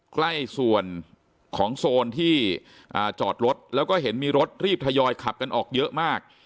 ใกล้ส่วนของโซนที่จอดรถแล้วก็เห็นมีรถรีบทยอยขับกันออกเยอะมาก